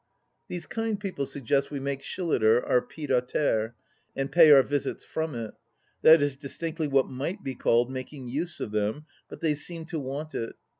These kind people suggest we make Shilliter our pied a terre and pay our visits from it. That is distinctly what might be called making use of them, but they seem to want it.